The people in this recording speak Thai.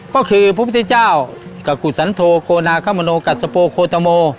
ก็คือพระพุทธเจ้ากับกุสันโทโกนาคมโนกับสโปโคตโม